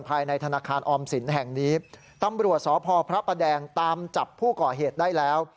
ภายในธนาคารออมสินแห่งนี้ตำรวจสพพระประแดงตามจับผู้ก่อเหตุได้แล้ว